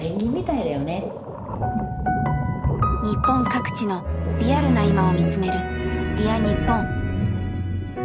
日本各地のリアルな今を見つめる「Ｄｅａｒにっぽん」。